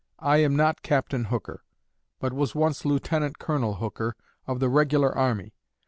I am not 'Captain Hooker,' but was once 'Lieutenant Colonel Hooker' of the regular army.